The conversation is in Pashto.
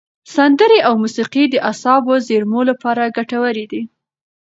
سندرې او موسیقي د اعصابو زېرمو لپاره ګټورې دي.